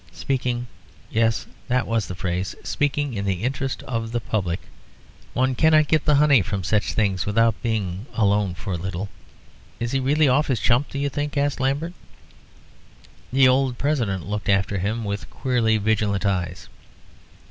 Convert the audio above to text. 'Speaking,' yes, that was the phrase, 'speaking in the interests of the public.' One cannot get the honey from such things without being alone for a little." "Is he really off his chump, do you think?" asked Lambert. The old President looked after him with queerly vigilant eyes.